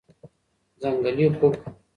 ځنګلي خوګ 🐗